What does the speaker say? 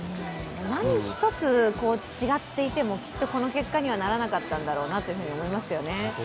何一つ違っていてもきっとこの結果にはならなかったんだろうなというふうには思いますよね。